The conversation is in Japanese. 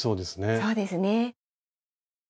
そうですね。